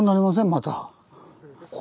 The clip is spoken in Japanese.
また。